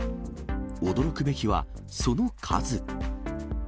驚くべきはその数。